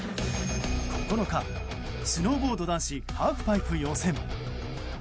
９日、スノーボード男子ハーフパイプ予選。